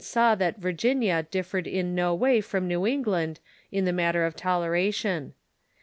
saw that V u'gmia differed in no way from New England in the matter of toleration.